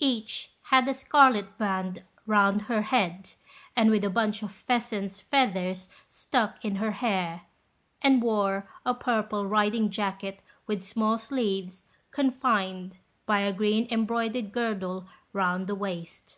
Each had a scarlet band round her head, with a bunch of pheasant's feathers stuck in her hair, and wore a purple riding jacket with small sleeves, confined by a green embroidered girdle round the waist.